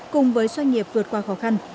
cùng với doanh nghiệp vượt qua khó khăn